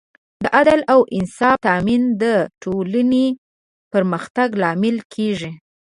د عدل او انصاف تامین د ټولنې پرمختګ لامل کېږي.